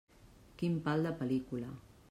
Quin pal de pel·lícula.